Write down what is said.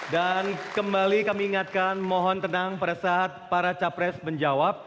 dan kembali kami ingatkan mohon tenang pada saat para capres menjawab